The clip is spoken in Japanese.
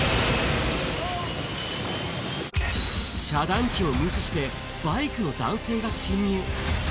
遮断機を無視してバイクの男性が侵入。